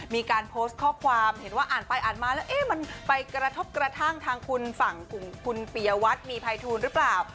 มีการโพสต์ข้อความเห็นว่าอ่านไปอ่านมาแล้วเอ๊ะมันไปกระทบกระทั่งทางคุณฝั่งของคุณปียวัตรมีภัยทูลหรือเปล่า